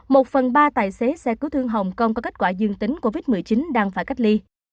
một phần ba tài xế xe cứu thương hồng kông có kết quả dương tính covid một mươi chín đang phải cách ly